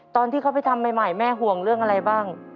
ตอนที่เขาไปทำใหม่แม่ห่วงเรื่องอะไรบ้าง